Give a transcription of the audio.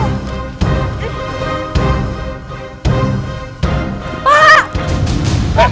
ngapain kalian kesini